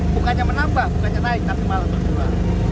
bukannya menambah bukannya naik tapi malah berkurang